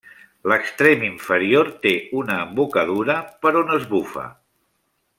L'extrem inferior té una embocadura per on es bufa.